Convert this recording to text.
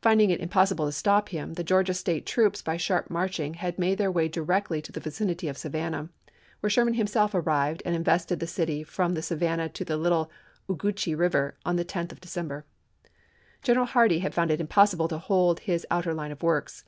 Finding it impossible to stop him, the Georgia State troops by sharp marching had made their way directly to the vicinity of Savannah, where Sherman himself arrived and invested the city from the Savannah to the little Ogeechee Eiver, on the 10th of December. General Hardee had found it impossible to hold his outer line of works.